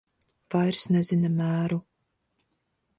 Vairs nezina mēru.